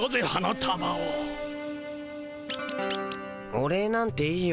お礼なんていいよ。